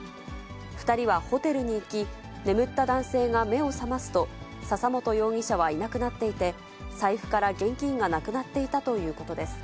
２人はホテルに行き、眠った男性が目を覚ますと、笹本容疑者はいなくなっていて、財布から現金がなくなっていたということです。